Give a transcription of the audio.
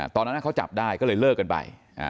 ตอนนั้นเขาจับได้ก็เลยเลิกกันไป